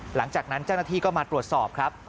หลังจากนั้นเจ้าหน้าที่ก็มาตรวจสอบครับ